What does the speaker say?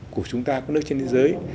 của chúng ta của nước trên thế giới